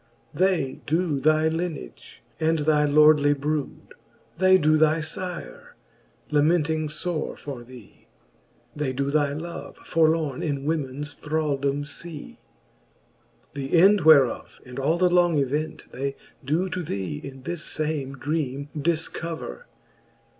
They doe thy Hnage, and thy lordly brood ; They doe thy fire, lamenting fore for thee; They doe thy love, forlorne in womens thraldome, fee. XXII. The end whereof, and all the long event. They doe to thee in this fame dreame dilcover.